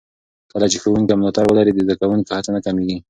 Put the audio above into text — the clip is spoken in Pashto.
کله چې ښوونکي ملاتړ ولري، د زده کوونکو هڅه نه کمېږي.